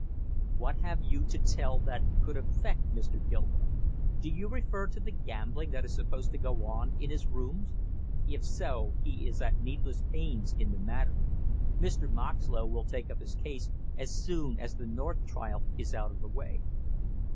"What have you to tell that could affect Mr. Gilmore? Do you refer to the gambling that is supposed to go on in his rooms? If so, he is at needless pains in the matter; Mr. Moxlow will take up his case as soon as the North trial is out of the way."